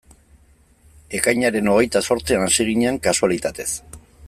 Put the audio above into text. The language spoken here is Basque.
Ekainaren hogeita zortzian hasi ginen, kasualitatez.